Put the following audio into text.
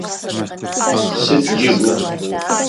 Сыд джэгу?